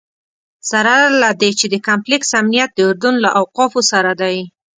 سره له دې چې د کمپلکس امنیت د اردن له اوقافو سره دی.